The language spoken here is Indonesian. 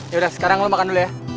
yaudah sekarang lo makan dulu ya